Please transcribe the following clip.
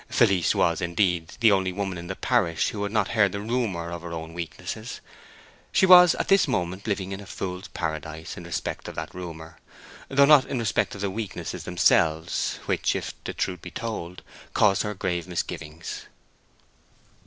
Felice was, indeed, the only woman in the parish who had not heard the rumor of her own weaknesses; she was at this moment living in a fool's paradise in respect of that rumor, though not in respect of the weaknesses themselves, which, if the truth be told, caused her grave misgivings.